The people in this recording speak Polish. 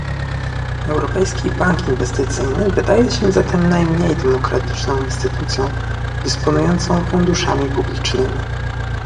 Europejski Bank Inwestycyjny wydaje się zatem najmniej demokratyczną instytucją dysponującą funduszami publicznymi